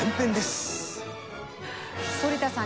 反田さん